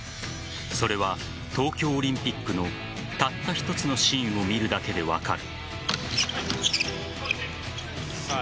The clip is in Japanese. それは、東京オリンピックのたった一つのシーンを見るだけで分かる。